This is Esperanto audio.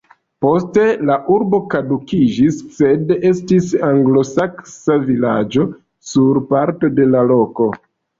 Poste la urbo kadukiĝis, sed estis anglosaksa vilaĝo sur parto de la loko.